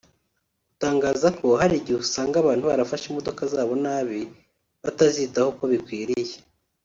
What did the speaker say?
utangaza ko hari igihe usanga abantu barafashe imodoka zabo nabi batazitaho uko bikwiye